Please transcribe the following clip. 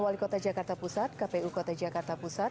wali kota jakarta pusat kpu kota jakarta pusat